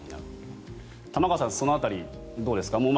玉川さんその辺り、どうですか。